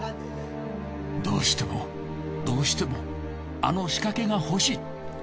どうしてもどうしてもあの仕掛けが欲しい。